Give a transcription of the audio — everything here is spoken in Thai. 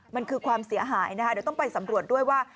มันคือความเสียหายนะคะเดี๋ยวต้องไปสำรวจด้วยว่า